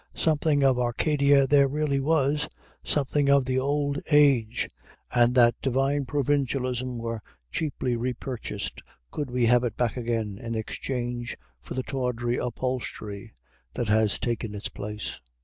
Something of Arcadia there really was, something of the Old Age; and that divine provincialism were cheaply repurchased could we have it back again in exchange for the tawdry upholstery that has taken its place.